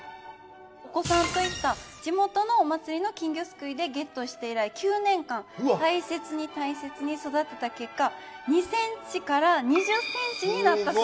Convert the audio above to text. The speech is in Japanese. お子さんと行った地元のお祭りの金魚すくいでゲットして以来９年間大切に大切に育てた結果２センチから２０センチになったそうです。